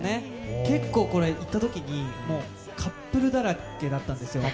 結構これ、行った時にカップルだらけだったんですよ。